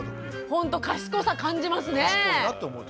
ほんと賢さ感じますね。